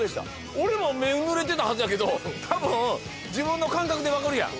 俺も目ぬれてたはずやけど多分自分の感覚でわかるやん